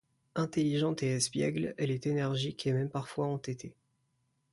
Intelligente et espiègle, elle est énergique et même parfois entêtée.